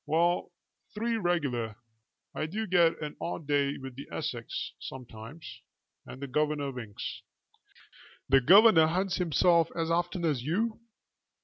"Well, three regular. I do get an odd day with the Essex sometimes, and the governor winks." "The governor hunts himself as often as you."